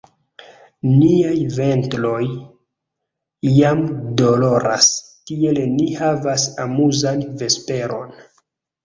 Niaj ventroj jam doloras; tiel ni havas amuzan vesperon!